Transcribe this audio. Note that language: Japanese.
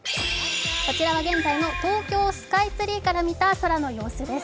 こちらは現在の東京スカイツリーから見た空の様子です。